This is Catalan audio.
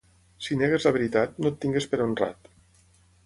Si negues la veritat, no et tinguis per honrat.